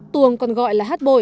tuồng còn gọi là hát bội